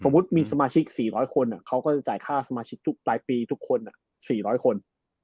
สมมุติมีสมาชิกสี่ร้อยคนอ่ะเขาก็จะจ่ายค่าสมาชิกทุกปลายปีทุกคนอ่ะสี่ร้อยคน